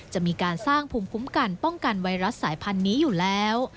จะมีการสร้างภูมิคุ้มกันป้องกันไวรัสสายพันธุ์นี้อยู่แล้ว